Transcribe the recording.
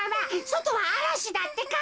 そとはあらしだってか。